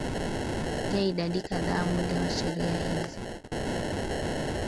zinafikia idadi kadhaa Mwili wa sheria hizi